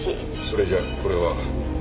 それじゃこれは。